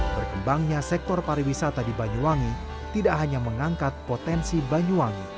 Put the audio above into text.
berkembangnya sektor pariwisata di banyuwangi tidak hanya mengangkat potensi banyuwangi